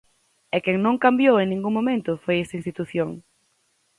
E quen non cambiou en ningún momento foi esta institución.